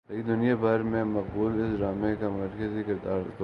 لیکن دنیا بھر میں مقبول اس ڈارمے کا مرکزی کردار ارطغرل